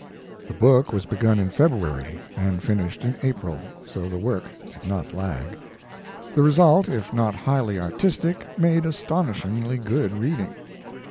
] The book was begun in February and finished in April, so the work did not lag. The result, if not highly artistic, made astonishingly good reading.